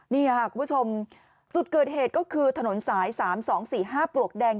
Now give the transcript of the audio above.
นี่ค่ะคุณผู้ชมจุดเกิดเหตุก็คือถนนสาย๓๒๔๕ปลวกแดง